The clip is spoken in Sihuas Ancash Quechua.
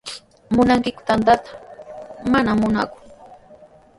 ¿Munankiku tantata? Manami munaaku.